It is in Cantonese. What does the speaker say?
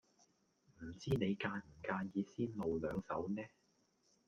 唔知你介唔介意先露兩手呢？